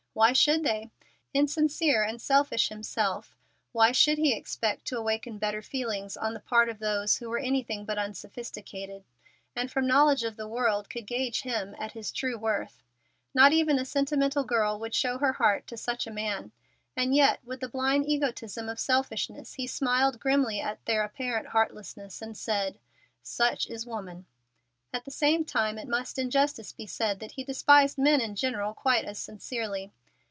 Why should they? Insincere and selfish himself, why should he expect to awaken better feelings on the part of those who were anything but unsophisticated, and from knowledge of the world could gauge him at his true worth? Not even a sentimental girl would show her heart to such a man. And yet with the blind egotism of selfishness he smiled grimly at their apparent heartlessness and said, "Such is woman." At the same time it must in justice be said that he despised men in general quite as sincerely.